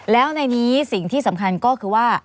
แล้วในนี้สิ่งที่สำคัญก็คือว่า